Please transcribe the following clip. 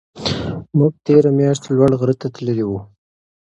موږ تېره میاشت لوړ غره ته تللي وو.